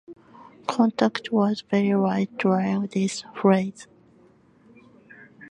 Contact was very light during this phase.